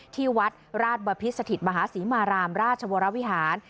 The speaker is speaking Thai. ที่วัดราชบพิษสถิตมหาศรีมารามราชวรวิหาร